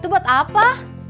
itu buat apa